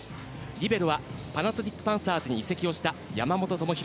リベロはパナソニックパンサーズに移籍した山本智大。